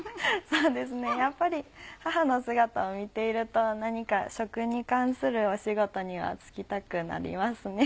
そうですねやっぱり母の姿を見ていると何か食に関する仕事には就きたくなりますね。